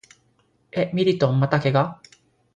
え、ミリトンまた怪我？